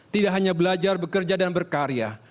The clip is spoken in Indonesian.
tidak hanya belajar bekerja dan berkarya